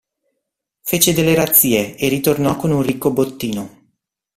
Fece delle razzie e ritornò con un ricco bottino.